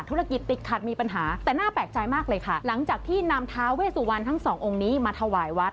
ธุรกิจติดขัดมีปัญหาแต่น่าแปลกใจมากเลยค่ะหลังจากที่นำท้าเวสุวรรณทั้งสององค์นี้มาถวายวัด